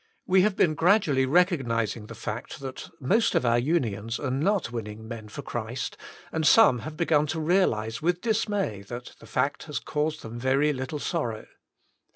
We have been gradually recognising the fact that the most of our Unions Are not Winning Men for Christ, and some have begun to realise with dismay that the fact has caused them very little sorrow.